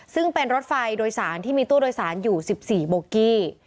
ซึ่งเป็นรถไฟโดยสารที่มีตู้โดยสารอยู่๑๔โบกี้